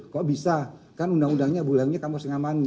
kok bisa kan undang undangnya bulannya kamu harus ngamani